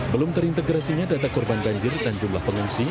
belum terintegrasinya data korban banjir dan jumlah pengungsi